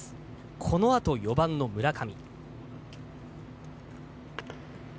このあと４番の村上。